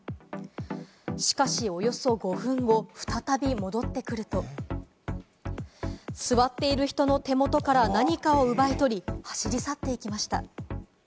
しかし、およそ５分後、再び戻ってくると、座っている人の手元から何かを奪い取り、走り去っていきました。